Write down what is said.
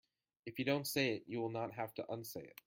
If you don't say it you will not have to unsay it.